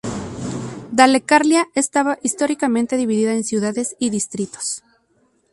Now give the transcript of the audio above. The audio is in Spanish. Dalecarlia estaba históricamente dividida en ciudades y distritos.